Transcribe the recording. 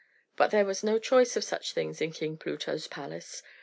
But there was no choice of such things in King Pluto's palace.